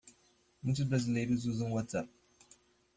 Muitos brasileiros usam o WhatsApp.